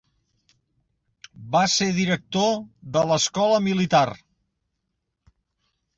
Va ser director de l'escola militar.